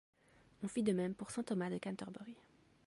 On fit de même pour Saint Thomas de Canterbury.